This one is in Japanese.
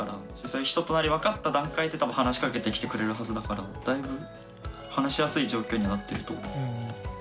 そういう人となり分かった段階で多分話しかけてきてくれるはずだからだいぶ話しやすい状況にはなってると思う。